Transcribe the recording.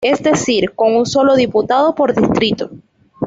Es decir, con un solo diputado por distrito.